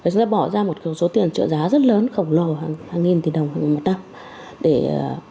chúng ta bỏ ra một số tiền trợ giá rất lớn khổng lồ hàng nghìn tỷ đồng hàng nghìn một năm